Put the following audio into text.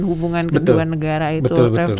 hubungan kedua negara itu